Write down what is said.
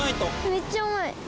めっちゃおもい。